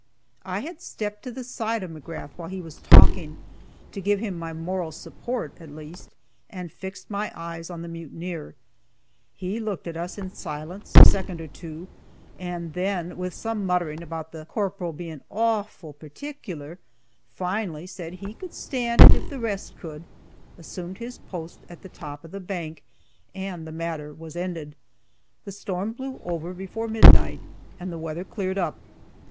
I had stepped to the side of McGrath while he was talking, to give him my moral support, at least, and fixed my eyes on the mutineer. He looked at us in silence a second or two, and then, with some muttering about the corporal being awful particular, finally said he could stand it if the rest could, assumed his post at the top of the bank, and the matter was ended. The storm blew over before midnight and the weather cleared up.